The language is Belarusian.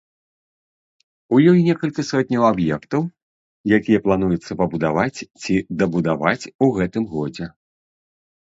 У ёй некалькі сотняў аб'ектаў, якія плануецца пабудаваць ці дабудаваць у гэтым годзе.